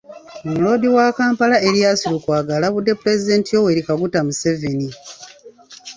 Omuloodi wa Kampala Erias Lukwago alabudde Pulezidenti Yoweri Kaguta Museveni .